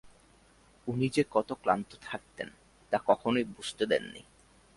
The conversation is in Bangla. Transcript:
উনি যে কতো ক্লান্ত থাকতেন, তা কখনোই বুঝতে দেননি।